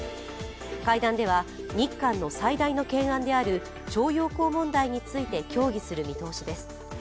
会談では日韓の最大の懸案である徴用工問題について協議する見通しです。